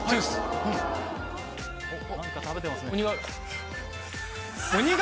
何か食べてますね。